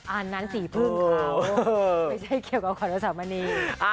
อันนั้นสีพื้นเขาไม่ใช่เกี่ยวกับขวานลดสามมะนี